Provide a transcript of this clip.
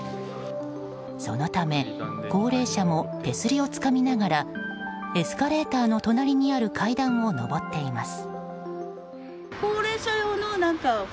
そのため、高齢者も手すりをつかみながらエスカレーターの隣にある階段を上っています。